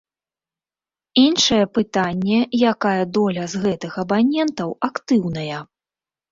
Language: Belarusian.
Іншае пытанне, якая доля з гэтых абанентаў актыўная.